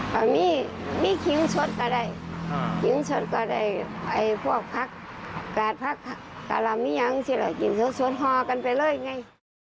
กินสวดฮอกันไปเรื่อย